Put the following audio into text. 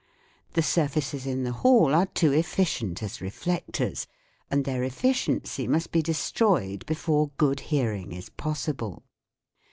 The surfaces in the hall are too efficient as reflectors, and their efficiency must be destroyed before good hearing is possible.